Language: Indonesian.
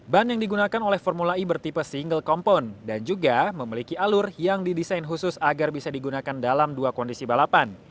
ban yang digunakan oleh formula e bertipe single kompon dan juga memiliki alur yang didesain khusus agar bisa digunakan dalam dua kondisi balapan